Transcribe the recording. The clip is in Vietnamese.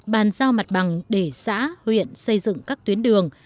bàn giao mặt bằng để xã huyện xây dựng các tuyến đường